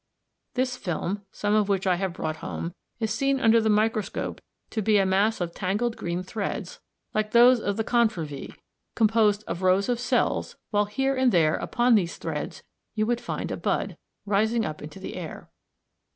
This film, some of which I have brought home, is seen under the microscope to be a mass of tangled green threads (t, Fig. 34, p. 88) like those of the Confervæ (see p. 79), composed of rows of cells, while here and there upon these threads you would find a bud (mb, Fig. 34) rising up into the air.